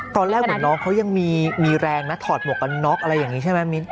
ตอนแรกเหมือนน้องเขายังมีแรงนะถอดหมวกกันน็อกอะไรอย่างนี้ใช่ไหมมิ้น